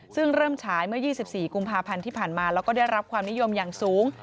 ซึ่งเริ่มฉายเมื่อ๒๔กุมภาพันธ์ที่ผ่านมาแล้วก็ได้รับความนิยมอย่างสูง